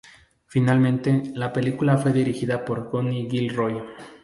Finalmente, la película fue dirigida por Tony Gilroy.